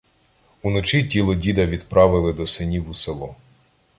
Уночі тіло діда відправили до синів у село.